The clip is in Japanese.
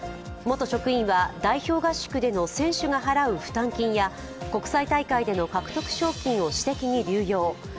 元職員は、代表合宿での選手が払う負担金や国際大会での獲得賞金を私的に流用。